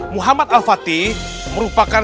muhammad al fatih merupakan